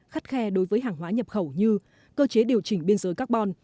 khắt khe đối với hàng hóa nhập khẩu như cơ chế điều chỉnh biên giới carbon